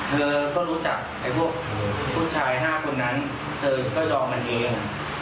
เธอก็รู้จักไอ้พวกผู้ชาย๕คนนั้นเธอก็ยอมกันเอง